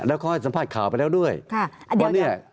แล้วก็ให้สัมภาษณ์ข่าวไปแล้วด้วยค่ะอ่ะเดี๋ยวว่าเนี้ย